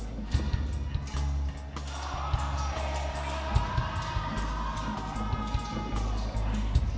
tapi semakin sering dipandangani prasasti deklarasi damai